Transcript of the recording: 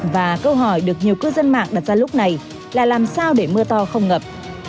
và câu hỏi được nhiều cư dân mạng đặt ra lúc này là làm sao để mưa to không ngập